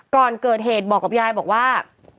ก่อนเกิดเหตุบอกกับยายบอกว่า